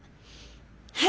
はい。